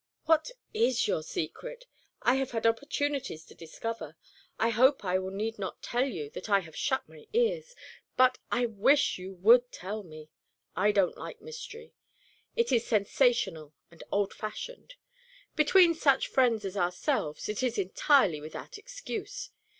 "What is your secret? I have had opportunities to discover. I hope I need not tell you that I have shut my ears; but I wish you would tell me. I don't like mystery. It is sensational and old fashioned. Between such friends as ourselves, it is entirely without excuse.